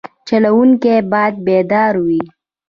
چلوونکی باید بیدار وي.